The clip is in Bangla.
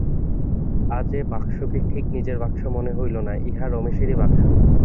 আজ এ বাক্সকে ঠিক নিজের বাক্স মনে হইল না, ইহা রমেশেরই বাক্স।